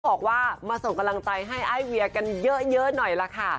บอกว่ามาส่งกำลังใจให้ไอเวียกันเยอะหน่อยล่ะค่ะ